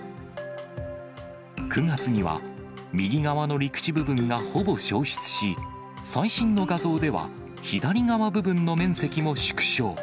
９月には、右側の陸地部分がほぼ消失し、最新の画像では、左側部分の面積も縮小。